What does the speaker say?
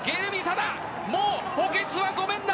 もう補欠はごめんだ。